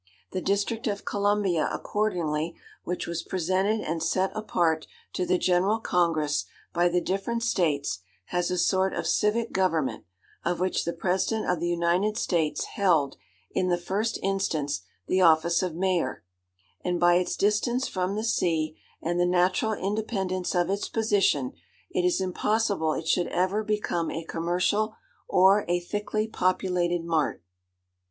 The district of Columbia, accordingly, which was presented and set apart to the General Congress, by the different states, has a sort of civic government, of which the President of the United States held, in the first instance, the office of Mayor, and by its distance from the sea, and the natural independence of its position, it is impossible it should ever become a commercial or a thickly populated mart.